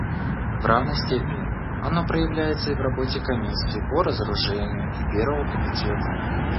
В равной степени оно проявляется и в работе Комиссии по разоружению и Первого комитета.